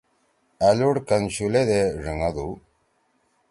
أ لُوڑ کَن شُولے دے ڙینگَدُو۔